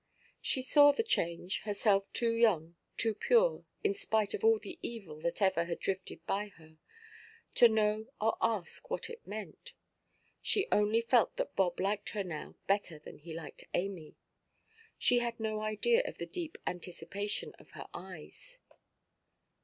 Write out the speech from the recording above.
She saw the change; herself too young, too pure (in spite of all the evil that ever had drifted by her) to know or ask what it meant. She only felt that Bob liked her now better than he liked Amy. She had no idea of the deep anticipation of her eyes.